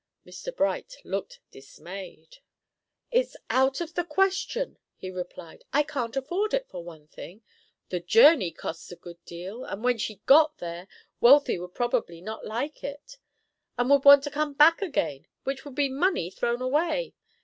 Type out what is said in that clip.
Mr. Bright looked dismayed. "It's out of the question," he replied. "I can't afford it, for one thing. The journey costs a good deal, and when she got there, Wealthy would probably not like it, and would want to come back again, which would be money thrown away.